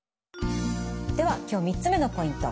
では今日３つ目のポイント。